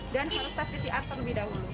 dan harus tes pcr terlebih dahulu